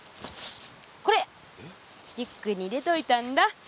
これリュックに入れといたんだ。